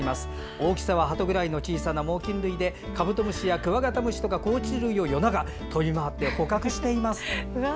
大きさはハトぐらいの大きな猛きん類でカブトムシやクワガタムシなどの甲虫類を夜中に飛び回って捕獲しています。